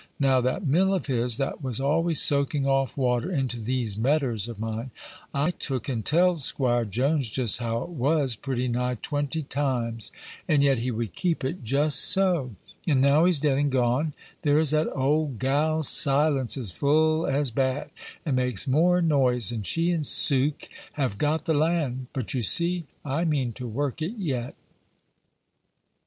Now, that mill of his, that was always soaking off water into these medders of mine I took and tell'd 'Squire Jones just how it was, pretty nigh twenty times, and yet he would keep it just so; and now he's dead and gone, there is that old gal Silence is full as bad, and makes more noise; and she and Suke have got the land; but, you see, I mean to work it yet."